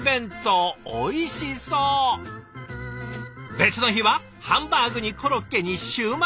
別の日はハンバーグにコロッケにシューマイ！？